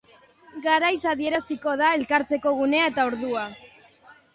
Garaiz adieraziko da elkartzeko gunea eta ordua.